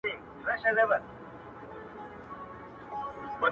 زینب د پښتنو د ستر سالار حاجي میرویس خان نیکه لور وه,